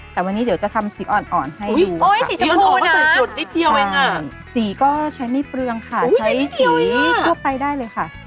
แต่วันนี้เดี๋ยวจะทำสีอ่อนให้ดูค่ะสีก็ใช้ไม่เปลืองค่ะใช้สีทั่วไปได้เลยค่ะ